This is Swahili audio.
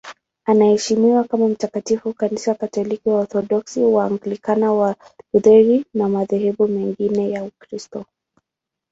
Anaheshimiwa kama mtakatifu na Kanisa Katoliki, Waorthodoksi, Waanglikana, Walutheri na madhehebu mengine ya Ukristo.